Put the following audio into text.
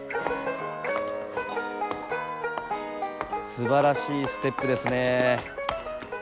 すばらしいステップですね。